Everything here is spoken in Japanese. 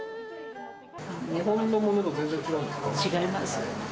日本のものと全然違うんです違います。